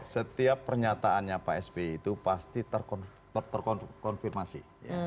setiap pernyataannya pak sby itu pasti terkonfirmasi